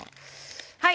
はい！